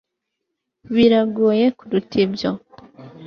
Biragoye kuruta ibyo